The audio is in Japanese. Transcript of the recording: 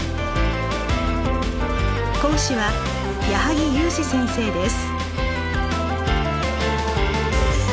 講師は矢作裕滋先生です。